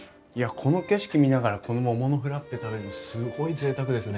この景色見ながらこの桃のフラッペ食べるのすごいぜいたくですね。